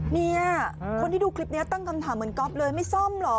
ลุงให้ดูคลิปนี้จะตั้งคำถามเหมือนก๊อปเลยไม่ซ่อนหรอ